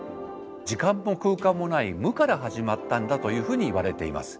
時間も空間もない無から始まったんだというふうにいわれています。